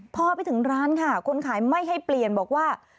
พอไปถึงร้านค่ะคนขายไม่ให้เปลี่ยนบอกว่า